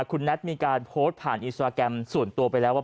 คุณแน็ตมีการโพสต์ผ่านอินสตราแกรมส่วนตัวไปแล้วว่า